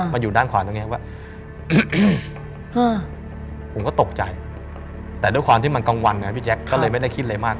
อยู่ด้านขวาตรงนี้ว่าผมก็ตกใจแต่ด้วยความที่มันกลางวันไงพี่แจ๊คก็เลยไม่ได้คิดอะไรมาก